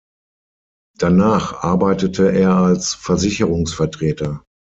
Danach arbeitete er als Versicherungsvertreter.